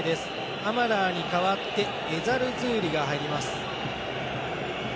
アマラーに代わってエザルズーリが入ります。